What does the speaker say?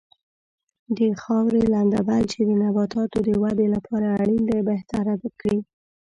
د خاورې لنده بل چې د نباتاتو د ودې لپاره اړین دی بهتره کړي.